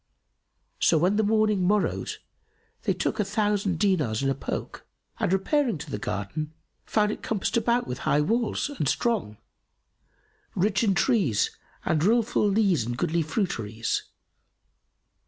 So when the morning morrowed they took a thousand dinars in a poke and, repairing to the garden, found it compassed about with high walls and strong, rich in trees and rill full leas and goodly fruiteries.